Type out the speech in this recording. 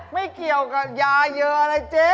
ไม่เกี่ยวกับยาเยอะเลยเจ๊